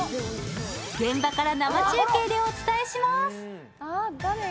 現場から生中継でお伝えします！